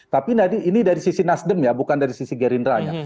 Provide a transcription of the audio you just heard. tapi ini dari sisi nasdem ya bukan dari sisi gerindra ya